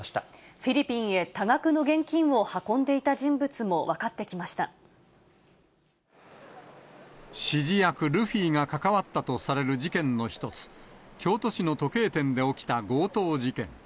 フィリピンへ多額の現金を運指示役、ルフィが関わったとされる事件の一つ、京都市の時計店で起きた強盗事件。